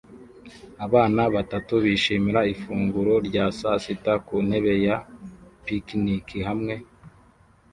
abana batatu bishimira ifunguro rya sasita ku ntebe ya picnic hamwe